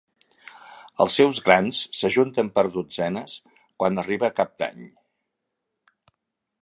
Els seus grans s'ajunten per dotzenes quan arriba cap d'any.